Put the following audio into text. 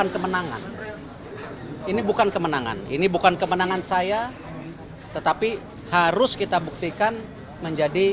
dengan demikian ketua umum pssi terpilih